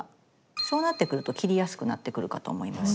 そうなってくると切りやすくなってくるかと思います。